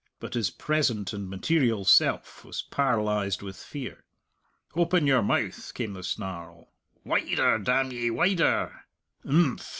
But his present and material self was paralyzed with fear. "Open your mouth!" came the snarl "wider, damn ye! wider!" "Im phm!"